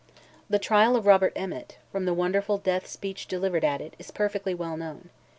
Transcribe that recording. The trial of Robert Emmet, from the wonderful death speech delivered at it, is perfectly well known.